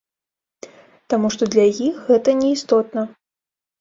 Таму што для іх гэта неістотна.